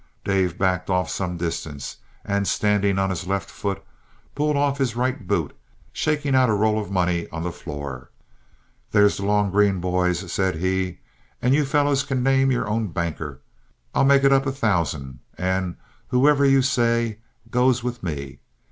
Dave backed off some distance, and standing on his left foot, pulled off his right boot, shaking out a roll of money on the floor. "There's the long green, boys," said he, "and you fellows can name your own banker. I'll make it up a thousand, and whoever you say goes with me.